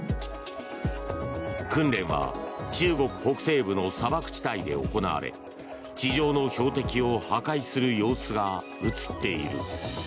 訓練は中国北西部の砂漠地帯で行われ地上の標的を破壊する様子が映っている。